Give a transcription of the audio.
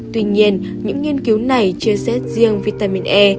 tuy nhiên những nghiên cứu này chưa xét riêng vitamin e